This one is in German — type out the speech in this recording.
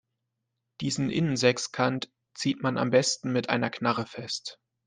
Diesen Innensechskant zieht man am besten mit einer Knarre fest.